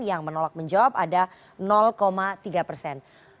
yang menolak menjawab ada tiga persen